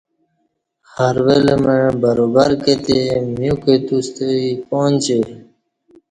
ہر ول مع برابر کتے میوکہ توستہ ایپانجی